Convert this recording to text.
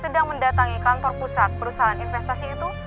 sedang mendatangi kantor pusat perusahaan investasi itu